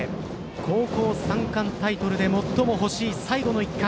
高校３冠タイトルで最も欲しい最後の１冠。